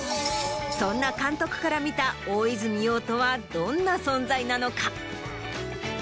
そんな監督から見た大泉洋とはどんな存在なのか？